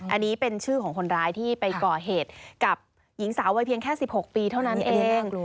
อันนี้เป็นชื่อของคนร้ายที่ไปก่อเหตุกับหญิงสาววัยเพียงแค่๑๖ปีเท่านั้นเอง